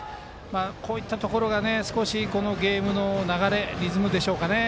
こうしたところが少しこのゲームの流れリズムでしょうかね。